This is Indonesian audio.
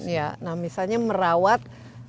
ya nah misalnya merawat